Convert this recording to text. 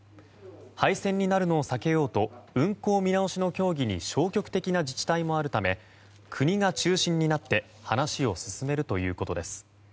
廃線になるのを避けようと運行見直しの協議に消極的な自治体もあるため国が中心になって話を進めるということです。